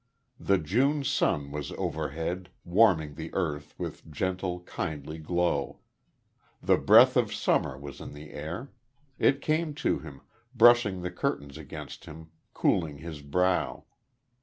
The June sun was overhead, warming the earth with gentle, kindly glow. The breath of summer was in the air; it came to him, brushing the curtains against him, cooling his brow.